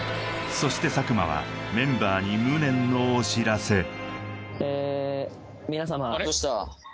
そして佐久間はメンバーに無念のお知らせええどうした？